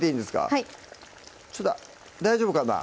はい大丈夫かな？